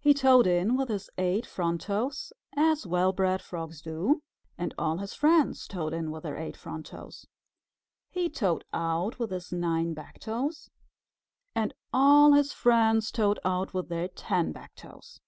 He toed in with his eight front toes, as well bred frogs do, and all his friends toed in with their eight front toes. He toed out with his nine back toes, and all his friends toed out with their ten back toes.